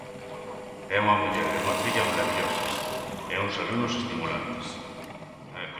E unha muller e unha filla marabillosas e uns alumnos estimulantes.